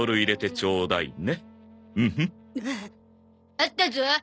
あったゾ。